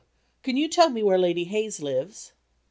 can you tell me where Lady Hayes lives?"